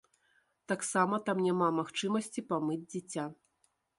Таксама там няма магчымасці памыць дзіця.